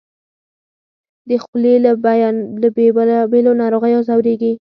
د خولې له بېلابېلو ناروغیو ځورېږي